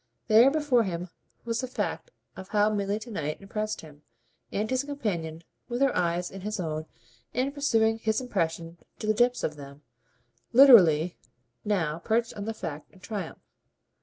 There before him was the fact of how Milly to night impressed him, and his companion, with her eyes in his own and pursuing his impression to the depths of them, literally now perched on the fact in triumph.